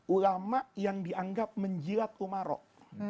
ulama yang dianggap menjilat umarok